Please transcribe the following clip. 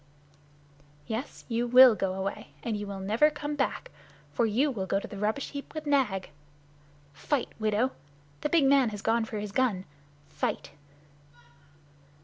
"Yes, you will go away, and you will never come back. For you will go to the rubbish heap with Nag. Fight, widow! The big man has gone for his gun! Fight!"